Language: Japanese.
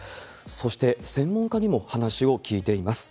そして、専門家にも話を聞いています。